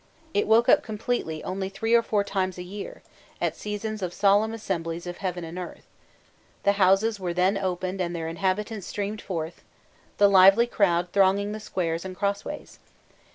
It woke up completely only three or four times a year, at seasons of solemn assemblies "of heaven and earth:" the houses were then opened and their inhabitants streamed forth, the lively crowd thronging the squares and crossways.